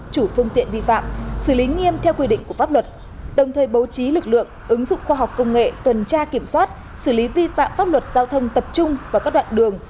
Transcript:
chủ phương tiện vi phạm xử lý nghiêm theo quy định của pháp luật đồng thời bố trí lực lượng ứng dụng khoa học công nghệ tuần tra kiểm soát xử lý vi phạm pháp luật giao thông tập trung vào các đoạn đường